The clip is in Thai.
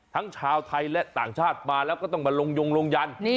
ทั้งชาวไทยและต่างชาติมาแล้วก็ต้องมาลงยงลงยัน